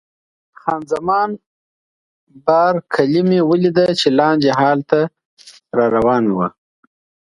خان زمان بارکلي مې ولیده چې لاندې هال ته را روانه وه.